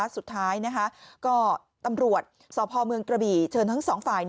สุดท้ายก็ตำรวจสพเมืองกระบี่เชิญทั้งสองฝ่าย